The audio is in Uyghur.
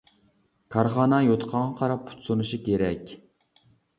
كارخانا يوتقانغا قاراپ پۇت سۇنۇشى كېرەك.